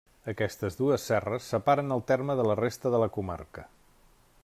Aquestes dues serres separen el terme de la resta de la comarca.